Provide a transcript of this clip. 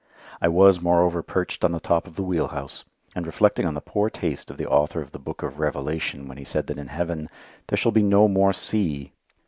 I was, moreover, perched on the top of the wheel house, and reflecting on the poor taste of the author of the Book of Revelation when he said that in heaven "there shall be no more sea."